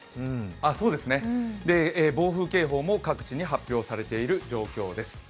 暴風警報も各地に発表されている状況です。